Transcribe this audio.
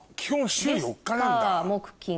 週４日なんだ。